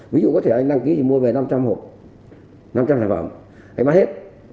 ví dụ có thể anh đăng ký thì mua về năm trăm linh hộp năm trăm linh sản phẩm hay bán hết